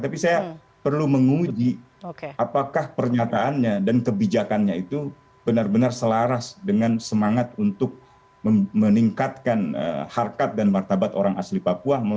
tapi saya perlu menguji apakah pernyataannya dan kebijakannya itu benar benar selaras dengan semangat untuk meningkatkan harkat dan martabat orang asli papua